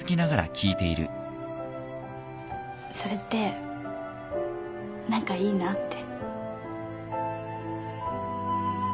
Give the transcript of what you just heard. それって何かいいなって。